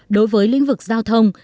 đối với lĩnh vực giao thông